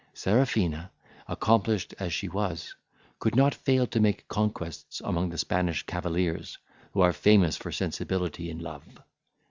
Serafina, accomplished as she was, could not fail to make conquests among the Spanish cavaliers, who are famous for sensibility in love.